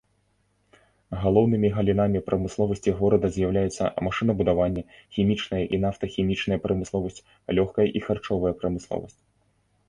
Галоўнымі галінамі прамысловасці горада з'яўляюцца машынабудаванне, хімічная і нафтахімічная прамысловасць, лёгкая і харчовая прамысловасць.